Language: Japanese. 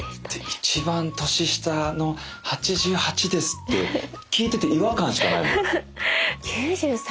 「一番年下の８８です」って聞いてて違和感しかないもん。